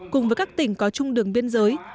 cùng với các tỉnh có chung đường biên giới